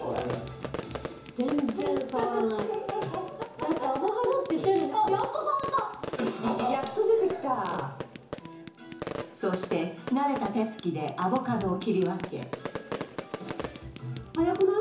だってアボカドって言ってんのにやっと出てきたそして慣れた手つきでアボカドを切り分け早くない？